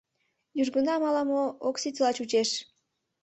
Южгунам ала-мо ок ситыла чучеш...